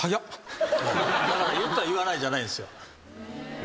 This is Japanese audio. だから言った言わないじゃないんですよ。